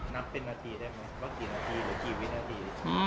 นับเป็นนาทีได้ไหมว่ากี่นาทีหรือกี่วินาที